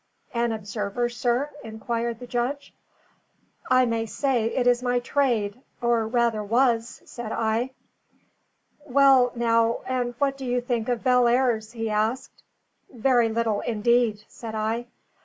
"An observer, sir?" inquired the judge. "I may say it is my trade or, rather, was," said I. "Well now, and what did you think of Bellairs?" he asked. "Very little indeed," said I.